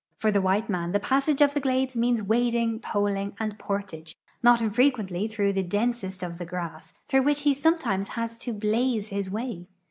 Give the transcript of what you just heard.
For the white man the passage of the glades means wading, poling, and portage, not infrequently through the densest of the grass, through which he sometimes has to blaze his way.